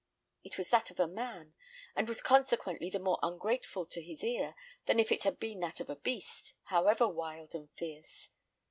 It was that of a man, and was consequently the more ungrateful to his ear than if it had been that of a beast, however wild and fierce.